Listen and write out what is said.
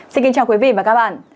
xin kính chào quý vị và các bạn